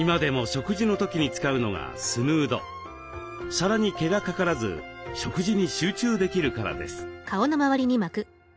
皿に毛がかからず食事に集中できるからです。